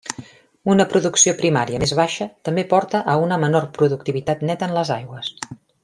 Una producció primària més baixa també porta a una menor productivitat neta en les aigües.